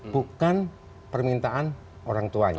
bukan permintaan orang tuanya